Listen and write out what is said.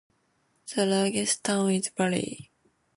The largest town is Barry.